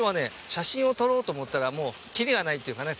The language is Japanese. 写真を撮ろうと思ったらもうきりがないっていうかね